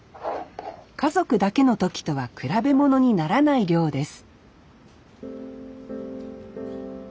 家族だけの時とは比べものにならない量です